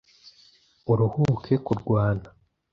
Uruhuke kurwana